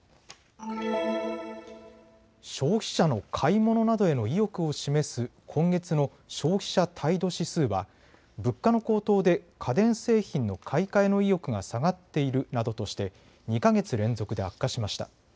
消費者の買い物などへの意欲を示す今月の消費者態度指数は物価の高騰で家電製品の買い替えの意欲が下がっているなどとして２か月連続で悪化しました。